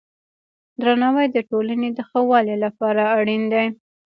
درناوی د ټولنې د ښه والي لپاره اړین دی.